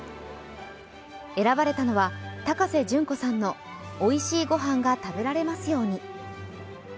選ばれたのは高瀬隼子さんの「おいしいごはんが食べられますように」